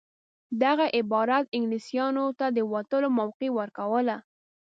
دغه عبارت انګلیسیانو ته د وتلو موقع ورکوله.